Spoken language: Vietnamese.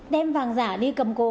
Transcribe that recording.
đem vàng giả đi cầm cố